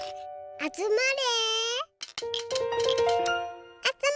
あつまれ。